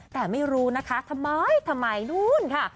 แต่ไม่รู้นะคะทำไมทำไมนู่นค่ะ